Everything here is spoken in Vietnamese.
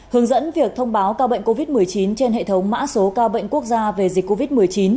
hướng dẫn việc thông báo ca bệnh covid một mươi chín trên hệ thống mã số ca bệnh quốc gia về dịch covid một mươi chín